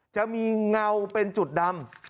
เงาเป็นจุดดำ